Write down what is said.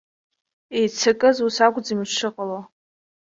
Еицакыз ус акәӡам дшыҟало.